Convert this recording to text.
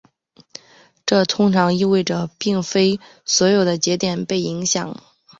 这通常意味着并非所有的节点被影响。